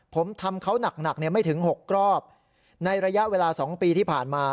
ผมทำเขาหนักหนักเนี่ยไม่ถึงหกกรอบในระยะเวลาสองปีที่ผ่านมา